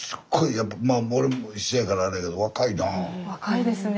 やっぱり俺も一緒やからあれやけど若いですね。